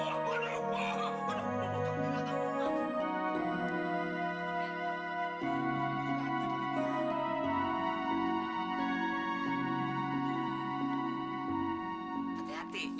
ayo sembuhkan air sebentar ya